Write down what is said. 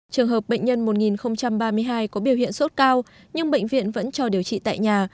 trường hợp bệnh nhân một nghìn ba mươi hai có biểu hiện sốt cao nhưng bệnh viện vẫn cho điều trị tại nhà